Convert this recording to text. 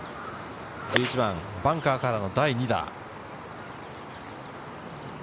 １１番、バンカーからの第２打。